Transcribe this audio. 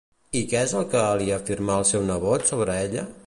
I què és el que li afirmà al seu nebot sobre ella?